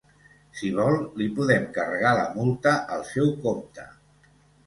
Si vol, li podem carregar la multa al seu compte.